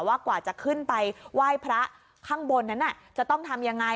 กว่าจะขึ้นไปไหว้พระข้างบนนั้นจะต้องทำยังไง